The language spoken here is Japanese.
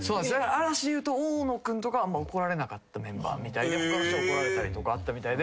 嵐でいうと大野君とかはあんま怒られなかったメンバーみたいで他の人が怒られたりとかあったみたいで。